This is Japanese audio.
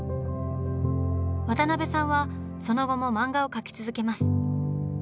渡辺さんはその後も漫画を描き続けます。